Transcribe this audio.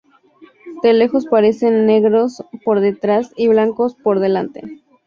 De lejos parecen negros por detrás y blancos por delante.